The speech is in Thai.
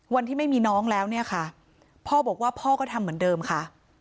ไม่มีน้องแล้วเนี่ยค่ะพ่อบอกว่าพ่อก็ทำเหมือนเดิมค่ะ